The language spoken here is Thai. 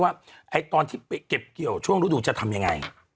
ว่าตอนที่ไปเก็บเกี่ยวช่วงฤดูจะทำยังไง